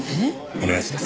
お願いします。